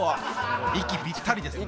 息ぴったりですね。